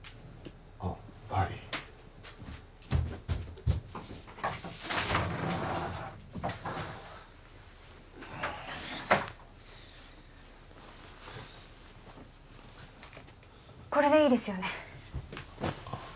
あっはいこれでいいですよね？